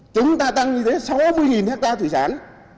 chúng ta tăng như thế sáu mươi hectare thủy sản